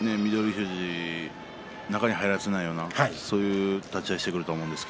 富士を中に入らせないようなそういう立ち合いをしてくると思います。